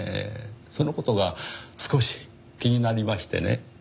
その事が少し気になりましてね。